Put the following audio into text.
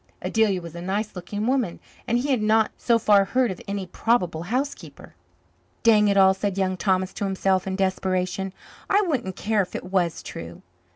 Adelia was a nice looking woman, and he had not so far heard of any probable housekeeper. "Dang it all," said Young Thomas to himself in desperation. "I wouldn't care if it was true."